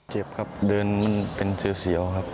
เจ็บครับเดินมันเป็นเสียวครับ